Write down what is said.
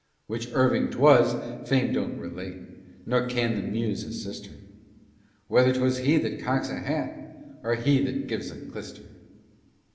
Which Irving 'twas, fame don't relate, Nor can the Muse assist her; Whether 'twas he that cocks a hat, Or he that gives a clyster.